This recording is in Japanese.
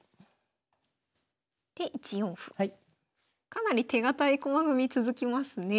かなり手堅い駒組み続きますね。